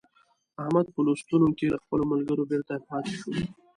احمد په لوستونو کې له خپلو ملګرو بېرته پاته شو.